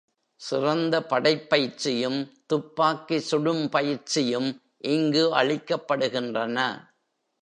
சிறந்த படைப் பயிற்சியும், துப்பாக்கி சுடும் பயிற்சியும் இங்கு அளிக்கப்படுகின்றள.